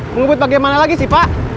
menyebut bagaimana lagi sih pak